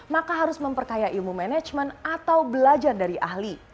maka harus memperkaya ilmu manajemen atau belajar dari ahli